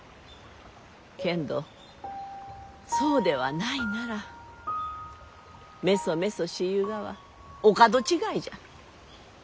けんどそうではないならめそめそしゆうがはお門違いじゃ。